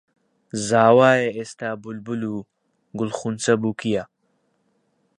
زاوایە ئێستە بولبول و گوڵخونچە بووکییە